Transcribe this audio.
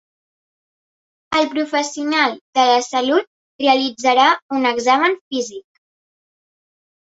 El professional de la salut realitzarà un examen físic.